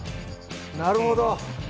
なるほど。